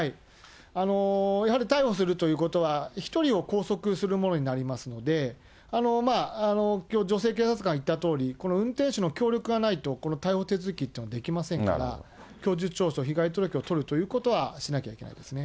やはり逮捕するということは、１人を拘束するものになりますので、女性警察官が言ったとおり、この運転手の協力がないと、この逮捕手続きっていうのはできませんから、供述調書、被害届を取るということはしなきゃいけないですね。